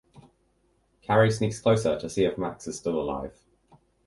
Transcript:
Carrie sneaks closer to see if Max is still alive.